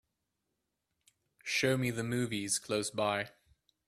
Show me the movies close by